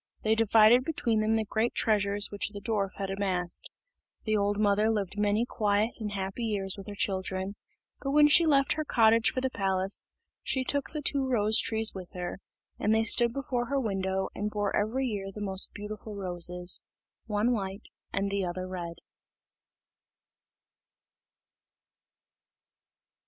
They divided between them the great treasures which the dwarf had amassed. The old mother lived many quiet and happy years with her children; but when she left her cottage for the palace, she took the two rose trees with her, and they stood before her window and bore every year the most beautiful roses one white and the other red.